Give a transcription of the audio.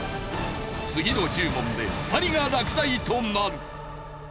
次の１０問で２人が落第となる。